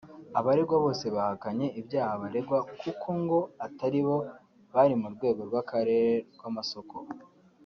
Abaregwa bose bahakanye ibyaha baregwa kuko ngo atari bo bari mu rwego rw’Akarere rw’amasoko